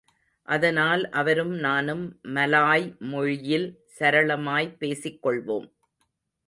அதனால் அவரும் நானும் மலாய் மொழியில் சரளமாய் பேசிக் கொள்வோம்.